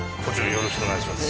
よろしくお願いします。